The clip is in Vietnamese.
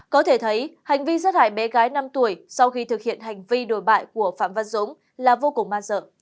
có thể thấy hành vi giất hại bé gái năm tuổi sau khi thực hiện hành vi đổi bại của phạm văn dũng là vô cùng ma sợ